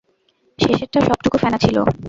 শেষেরটা সবটুকু ফেনা ছিল।